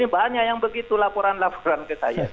banyak yang begitu laporan laporan ke saya